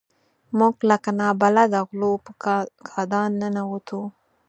موږ لکه نابلده غلو په کادان ننوتو.